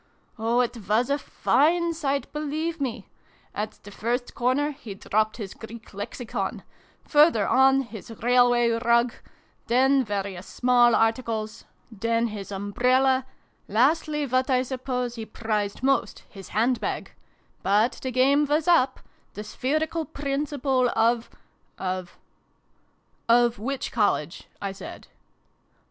Oh, it was a fine sight, believe me ! At the first corner he dropped his Greek Lexicon : further on, his railway rug : then various small articles : I 9 o SYLVIE AND BRUNO CONCLUDED. then his umbrella : lastly, what I suppose he prized most, his hand bag : but the game was up : the spherical Principal of of "Of which College?" I said.